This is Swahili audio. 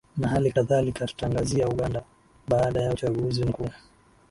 na hali kadhalika tutaangazia uganda baada ya uchaguzi mkuu